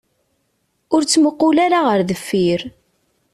Ur ttmuqqul ara ɣer deffir.